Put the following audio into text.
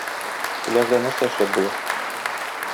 Пляжда нәрсә эшләп була?